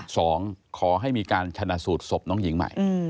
ขอให้มีการชนะสูตรศพน้องหญิงใหม่